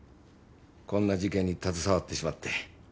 こんな事件に携わってしまって。